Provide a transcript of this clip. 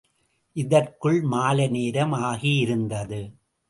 இதற்குள் மாலை நேரம் ஆகியிருந்தது.